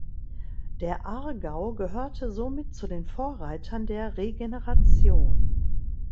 Der Aargau gehörte somit zu den Vorreitern der Regeneration.